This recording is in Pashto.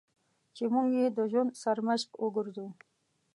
چې موږ یې د ژوند سرمشق وګرځوو.